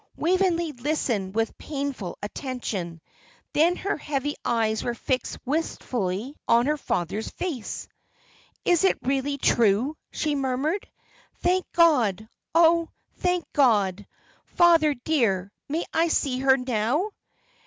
Waveney listened with painful attention; then her heavy eyes were fixed wistfully on her father's face. "It is really true!" she murmured. "Thank God, oh, thank God! Father, dear, may I see her now?"